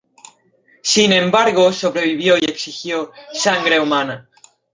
Sin embargo, sobrevivió y exigió sangre humana.